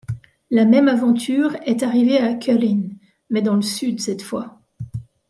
La même aventure est arrivée à Cullin mais dans le sud cette fois.